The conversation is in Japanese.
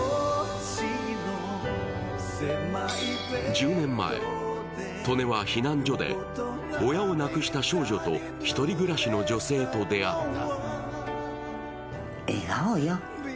１０年前、利根は避難所で親を亡くした少女と１人暮らしの女性と出会った。